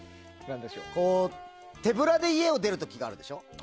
手ぶらで家を出る時があるでしょ。